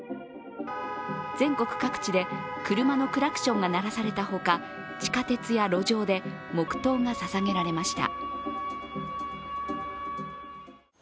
全国各地で車のクラクションが鳴らされたほか地下鉄や路上で黙とうがささげられました。